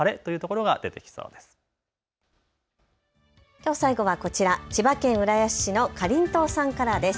きょう最後はこちら千葉県浦安市のかりんとうさんからです。